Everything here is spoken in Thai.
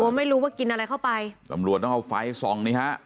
ไม่รู้ว่ากินอะไรเข้าไปตำรวจต้องเอาไฟส่องนี่ฮะ